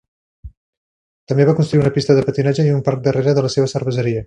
També va construir una pista de patinatge i un parc darrera de la seva cerveseria.